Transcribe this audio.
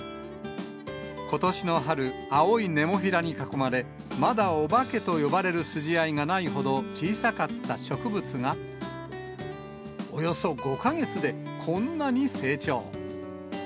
ことしの春、青いネモフィラに囲まれ、まだお化けと呼ばれる筋合いがないほど小さかった植物が、およそ５か月で、こんなに成長。